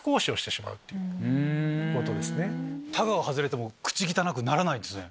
たがが外れても口汚くならないんですね。